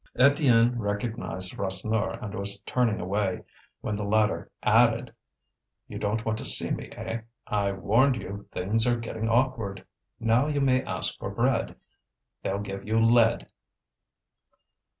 Étienne recognized Rasseneur and was turning away, when the latter added: "You don't want to see me, eh? I warned you, things are getting awkward. Now you may ask for bread, they'll give you lead."